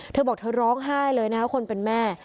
เธอบอกเธอร้องไห้เลยนะคะคนเป็นแม่